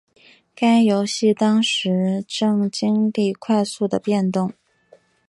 该游戏当时正经历快速的变动。